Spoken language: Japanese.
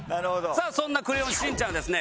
さあそんな『クレヨンしんちゃん』はですね